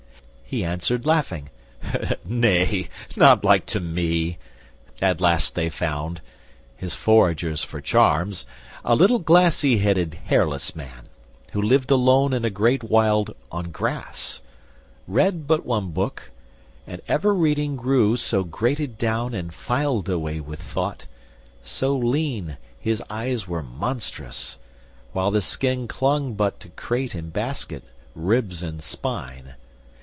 He answered laughing, "Nay, not like to me. At last they found—his foragers for charms— A little glassy headed hairless man, Who lived alone in a great wild on grass; Read but one book, and ever reading grew So grated down and filed away with thought, So lean his eyes were monstrous; while the skin Clung but to crate and basket, ribs and spine.